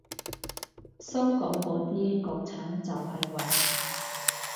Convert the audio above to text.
搜狗嗰啲國產就係為